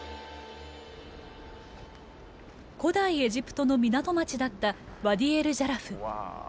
古代エジプトの港町だったワディ・エル＝ジャラフ。